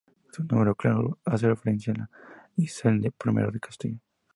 Su nomenclatura hace referencia a Isabel I de Castilla.